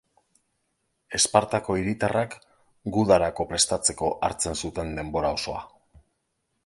Espartako hiritarrak gudarako prestatzeko hartzen zuten denbora osoa.